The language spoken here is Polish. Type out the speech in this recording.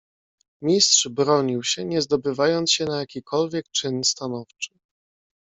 "Mistrz bronił się, nie zdobywając się na jakikolwiek czyn stanowczy."